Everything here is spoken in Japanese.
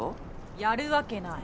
やるわけない。